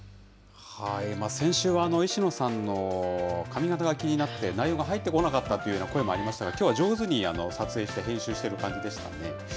先週は石野さんの髪形が気になって内容が入ってこなかったというような声もありましたが、きょうは上手に撮影して、編集してる感じでしたね。